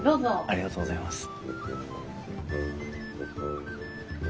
ありがとうございます。